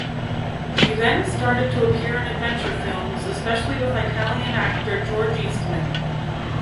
She then started to appear in adventure films, especially with Italian actor George Eastman.